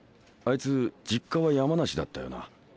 あいつ実家は山梨だったよな。